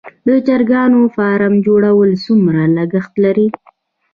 د چرګانو فارم جوړول څومره لګښت لري؟